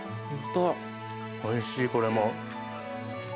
おいしいこれも。